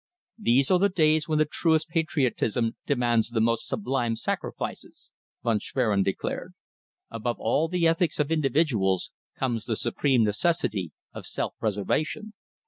"These are the days when the truest patriotism demands the most sublime sacrifices," Von Schwerin declared. "Above all the ethics of individuals comes the supreme necessity of self preservation."